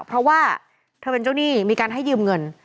เพราะว่าเธอเป็นเจ้าหนี้มีการให้ยืมเงิน